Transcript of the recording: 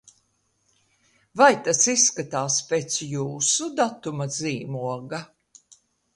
Vai tas izskatījās pēc jūsu datuma zīmoga?